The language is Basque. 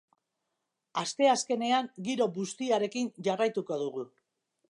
Asteazkenean giro bustiarekin jarraituko dugu.